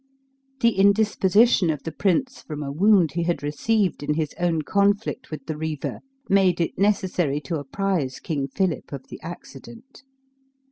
The indisposition of the prince from a wound he had received in his own conflict with the Reaver, made it necessary to apprise King Philip of the accident.